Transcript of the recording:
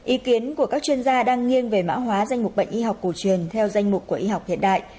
ý kiến của các chuyên gia đang nghiêng về mã hóa danh mục bệnh y học cổ truyền theo danh mục của y học hiện đại